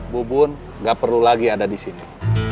bubun gak perlu lagi ada disini